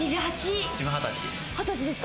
自分、２０歳です。